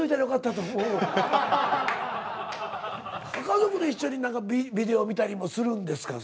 家族で一緒にビデオ見たりもするんですか？